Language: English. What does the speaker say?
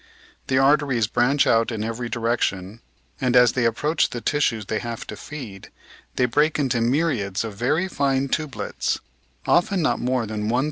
The arteries branch out in every direction, and as they approach the tissues they have to feed they break into myriads of very fine tubelets, often not more than 1 3000 of an inch in thickness.